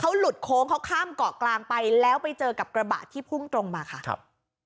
หลุดโค้งเขาข้ามเกาะกลางไปแล้วไปเจอกับกระบะที่พุ่งตรงมาค่ะครับ